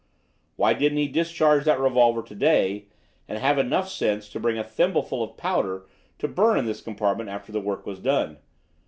Why didn't he discharge that revolver to day, and have enough sense to bring a thimbleful of powder to burn in this compartment after the work was done?